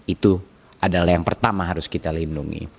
itu adalah yang pertama harus kita lindungi